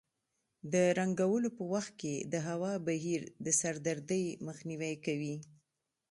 د رنګولو په وخت کې د هوا بهیر د سر دردۍ مخنیوی کوي.